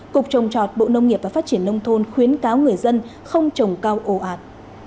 cục trồng trọt bộ nông nghiệp và phát triển nông thôn khuyến cáo người dân không trồng cao ồ ạt